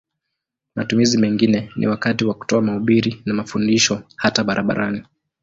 Matumizi mengine ni wakati wa kutoa mahubiri na mafundisho hata barabarani.